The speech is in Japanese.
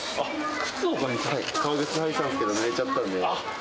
革靴履いてたんですけど、ぬれちゃったんで。